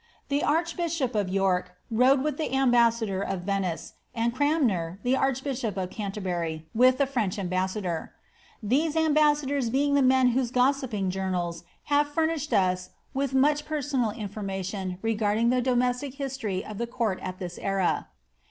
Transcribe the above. The archbishop of York rode with the ambassador of Venice, and Cranmer, the archbiahop of Canter bur} , with the French ambassador ^'^ these ambassadors being the men AHHB BOLBTN. 175 whose goesiping journals have famished us with much personal in formation regarmng the domestic history of the court at this era.